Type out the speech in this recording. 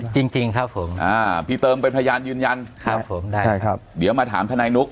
จริงจริงครับผมอ่าพี่เติมเป็นพยานยืนยันครับผมได้ใช่ครับเดี๋ยวมาถามทนายนุ๊ก